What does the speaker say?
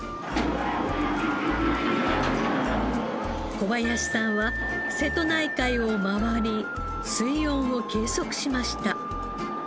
小林さんは瀬戸内海を回り水温を計測しました。